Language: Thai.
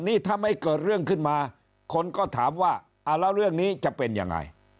นี่ถ้าไม่เกิดเรื่องขึ้นมาคนก็ถามว่าแล้วเรื่องนี้จะเป็นยังไง